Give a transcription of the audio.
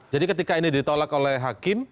jadi ketika ini ditolak oleh hakim